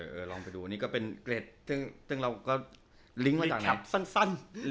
เออเออลองไปดูนี่ก็เป็นเกรดซึ่งเราก็ลิ้งค์มาจากไหน